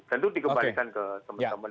tentu dikembalikan ke teman teman